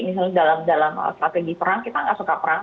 misalnya dalam strategi perang kita nggak suka perang